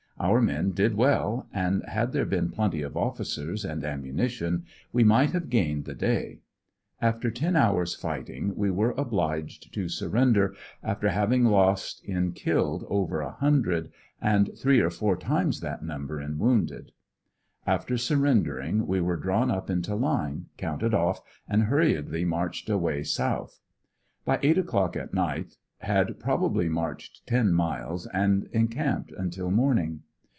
Our men did well, and had there been plenty of officers and ammunition, we might have gained the day. After ten hours fighting we were obliged to surrender after having lost in killed over a hundred, and three or four times that number in wounded. After surrendering we were drawn up into line, counted off and hurriedly marched away south. By eight o'clock at night had probably marched ten miles, and encamped until morning.